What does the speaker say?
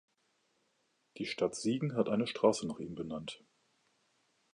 Die Stadt Siegen hat eine Straße nach ihm benannt.